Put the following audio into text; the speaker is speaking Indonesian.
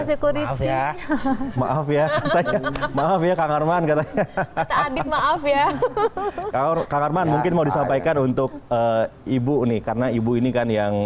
security maaf ya maaf ya kang arman mungkin mau disampaikan untuk ibu nih karena ibu ini kan yang